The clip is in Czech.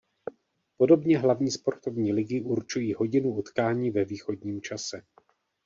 Podobně hlavní sportovní ligy určují hodinu utkání ve východním čase.